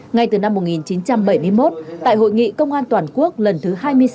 ngay từ năm một nghìn chín trăm bảy mươi một tại hội nghị công an toàn quốc lần thứ hai mươi sáu